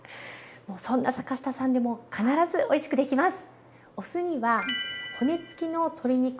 そんな坂下さんでも必ずおいしくできます。